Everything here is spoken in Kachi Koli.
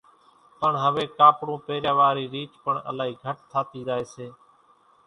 پڻ هويَ ڪاپڙون پيريا وارِي ريچ پڻ الائِي گھٽ ٿاتِي زائيَ سي۔